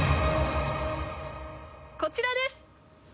こちらです！